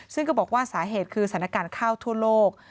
ซึ่งก็บอกว่าสาเหตุคือสถานการณ์ข้าวทั่วโลก